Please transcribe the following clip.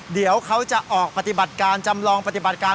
เดี๋ยวเขาจะออกปฏิบัติการจำลองปฏิบัติการ